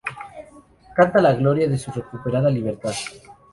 Canta la gloria de su recuperada libertad.